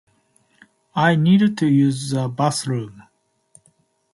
I need to use the bathroom.